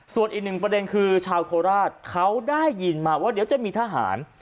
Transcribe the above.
ส่วนอีกหนึ่งประเด็นคือชาวโคราชเขาได้ยินมาว่าเดี๋ยวจะมีทหาร